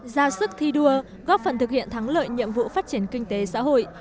ra sức thi đua góp phần thực hiện thắng lợi nhiệm vụ phát triển kinh tế xã hội